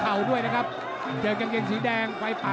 อ้าวว่ายังไง